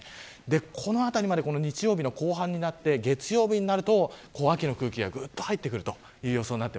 この辺り、日曜日の後半になって月曜日になると秋の空気が入ってくるという予想です。